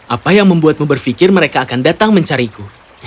apa yang membuatmu berpikir mereka akan datang mencariku